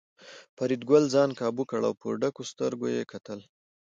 فریدګل ځان کابو کړ او په ډکو سترګو یې کتل